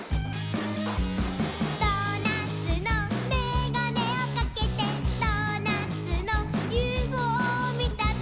「ドーナツのメガネをかけてドーナツのＵＦＯみたぞ」